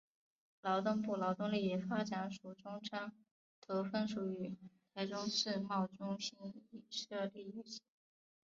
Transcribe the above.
劳动部劳动力发展署中彰投分署与台中世贸中心亦设立于此。